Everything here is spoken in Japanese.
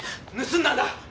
盗んだんだ。